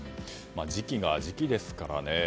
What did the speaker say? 時期が時期ですからね。